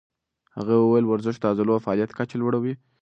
هغې وویل ورزش د عضلو د فعالیت کچه لوړوي.